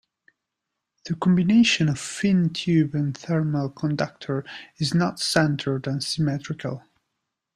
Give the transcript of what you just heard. The combination of fin-tube and thermal conductor is not centered and symmetrical.